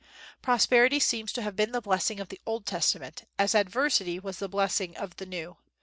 Prosperity seems to have been the blessing of the Old Testament, as adversity was the blessing of the New.